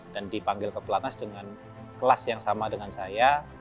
dan dipanggil ke pelaknas dengan kelas yang sama dengan saya